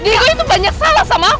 diego itu banyak salah sama aku